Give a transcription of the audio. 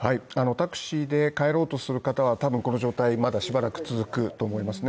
タクシーで帰ろうとする方は多分この状態までしばらく続くと思いますね